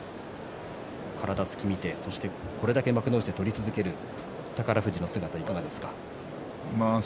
体つきを見て、これだけ幕内で取り続ける宝富士の姿いかがですか。